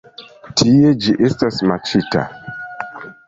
Tie ĝi estas maĉita.